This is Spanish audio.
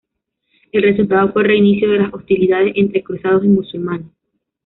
El resultado fue el reinicio de las hostilidades entre cruzados y musulmanes.